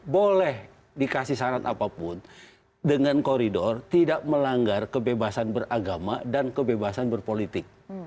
boleh dikasih syarat apapun dengan koridor tidak melanggar kebebasan beragama dan kebebasan berpolitik